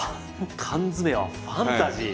缶詰はファンタジー？